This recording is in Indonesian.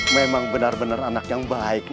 memang benar benar anak yang baik